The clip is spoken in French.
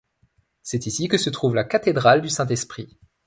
C'est ici que se trouve la cathédrale du Saint-Esprit.